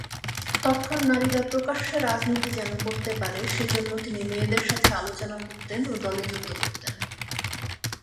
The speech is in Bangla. তখন নারীরা প্রকাশ্যে রাজনীতি যেন করতে পারে সেজন্য তিনি মেয়েদের সাথে আলোচনা করতেন ও দলে যুক্ত করতেন।